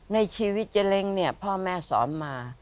ในชีวิตเจ๊เล้งเนี่ยพ่อแม่สอนมา